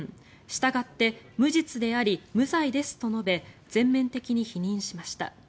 したがって無実であり無罪ですと述べ全面的に否認しました。